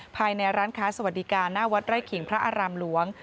ภายในร้านค้าสวัสดิการหน้าวัดไร่ขิงพระอารามหลวง